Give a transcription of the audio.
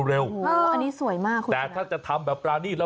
อันนี้สวยมากคุณคุณแต่ถ้าจะทำแบบกล่านี้นี่